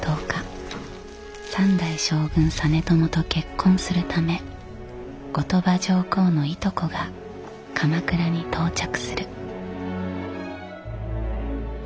三代将軍実朝と結婚するため後鳥羽上皇の従妹が鎌倉に到着する。